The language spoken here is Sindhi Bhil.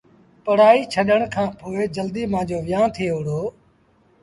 پڙهآئيٚ ڇڏڻ کآݩ پو جلديٚ مآݩجو ويهآݩ ٿئي وُهڙو ۔